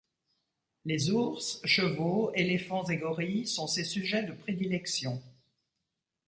Les ours, chevaux, éléphants et gorilles sont ses sujets de prédilection.